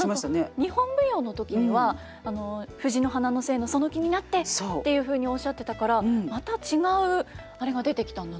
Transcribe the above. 何か日本舞踊の時には藤の花の精のその気になってっていうふうにおっしゃってたからまた違うあれが出てきたんだなというふうに。